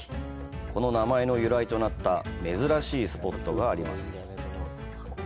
この名前の由来となった珍しいスポットがあります。